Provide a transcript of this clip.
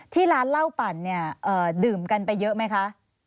ที่ร้านเหล้าปั่นเนี่ยดื่มกันไปเยอะไหมคะ